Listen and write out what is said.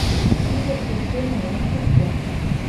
Тӱлыжгӧ семым ом шокто.